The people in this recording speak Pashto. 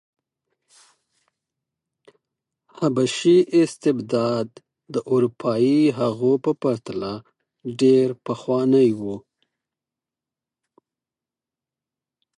حبشي استبداد د اروپايي هغو په پرتله ډېر پخوانی و.